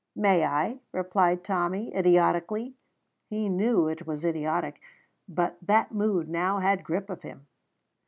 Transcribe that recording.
"May I?" replied Tommy, idiotically. He knew it was idiotic, but that mood now had grip of him.